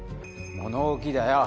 物置だよ